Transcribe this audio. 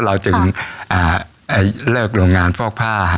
เราจึงเลิกโรงงานฟอกผ้า